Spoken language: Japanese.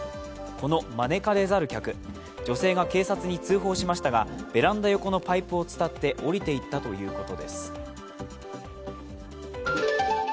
この招かれザル客、女性が警察に通報しましたが、ベランダ横のパイプを伝って下りていったということです。